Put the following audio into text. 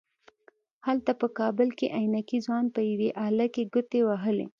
هلته په کابل کې عينکي ځوان په يوې آلې کې ګوتې وهلې.